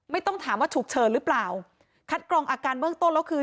ไม่ต้องถามว่าฉุกเฉินหรือเปล่าคัดกรองอาการเบื้องต้นแล้วคือ